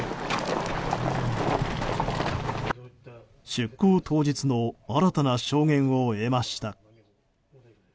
出航当日の新たな証言を得ました。